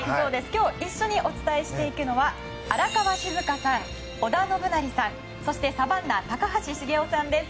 今日一緒にお伝えしていくのは荒川静香さん、織田信成さんそしてサバンナ高橋茂雄さんです。